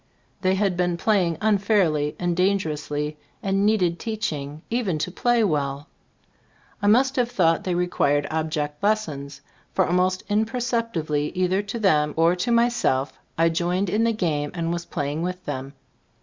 They had been playing unfairly and dangerously and needed teaching, even to play well. I must have thought they required ob ject lessons, for almost imperceptibly either to them or to myself, I joined in the game and was playing with them.